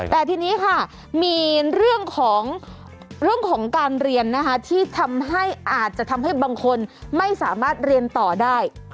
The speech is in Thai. แต่ทีนี้ค่ะมีเรื่องของการเรียนนะคะที่ทำให้อาจจะทำให้บางคนไม่สามารถเรียนต่อได้